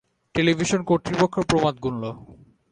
Television কর্তৃপক্ষ প্রমাদ গুনল।